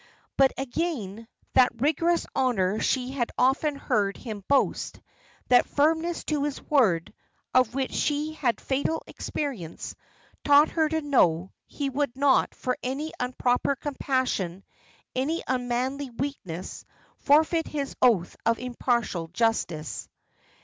But again, that rigorous honour she had often heard him boast, that firmness to his word, of which she had fatal experience, taught her to know, he would not for any unproper compassion, any unmanly weakness, forfeit his oath of impartial justice.